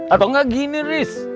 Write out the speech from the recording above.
atau gak gini riz